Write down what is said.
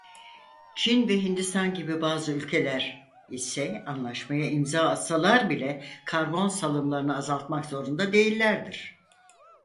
Çin ve Hindistan gibi bazı ülkeler ise anlaşmaya imza atsalar bile karbon salımlarını azaltmak zorunda değillerdir.